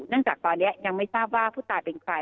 จากตอนนี้ยังไม่ทราบว่าผู้ตายเป็นใคร